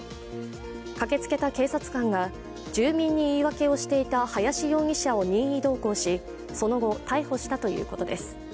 駆けつけた警察官が住民にいいわけをしていた林容疑者を任意同行し、その後、逮捕したということです。